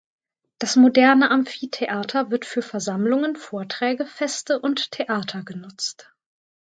Das moderne Amphitheater wird für Versammlungen, Vorträge, Feste und Theater genutzt.